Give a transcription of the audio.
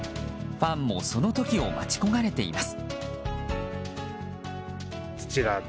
ファンもその時を待ち焦がれています。